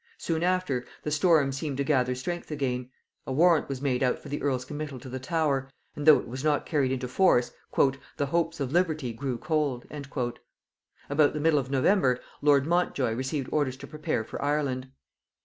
Soon after, the storm seemed to gather strength again; a warrant was made out for the earl's committal to the Tower, and though it was not carried into force, "the hopes of liberty grew cold." About the middle of November lord Montjoy received orders to prepare for Ireland.